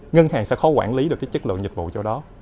ngân hàng sẽ khó quản lý được cái chất lượng dịch vụ cho đó